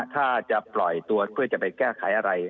ถ้าจะปล่อยตัวเพื่อจะไปแก้ไขอะไร